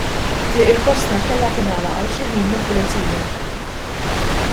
Triq il-Kosta kellha tingħalaq għal xi ħin mill-Pulizija.